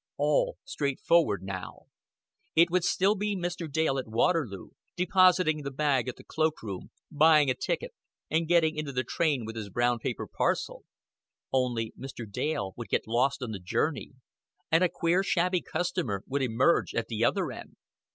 All straightforward now. It would be still Mr. Dale at Waterloo, depositing the bag at the cloak room, buying a ticket, and getting into the train with his brown paper parcel. Only Mr. Dale would get lost on the journey, and a queer shabby customer would emerge at the other end.